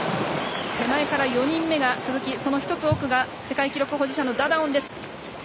手前から４人目が鈴木その１つ奥が世界記録保持者のダダオンです。